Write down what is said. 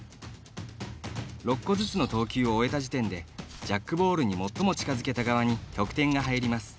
６個ずつの投球を終えた時点でジャックボールに最も近づけた側に得点が入ります。